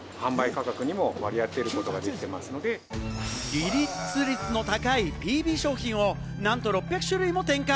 利益率の高いＰＢ商品をなんと６００種類も展開。